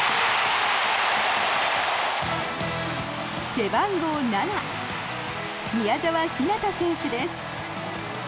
背番号７、宮澤ひなた選手です。